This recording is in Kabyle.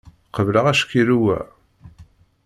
Qebleɣ acqirrew-a!